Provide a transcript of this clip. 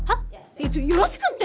いやちょっ「よろしく」って。